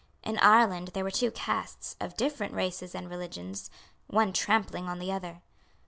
In Ireland there were two castes, of different races and religions, one trampling on the other.